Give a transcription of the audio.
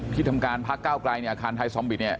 ธี่ทำการพักก้าวไกลอาคารไทซอมบิด